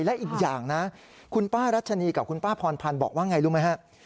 และอีกอย่างนะคุณป้ารัชนีกับคุณป้าพรพันธ์บอกว่าไงรู้ไหมฮะ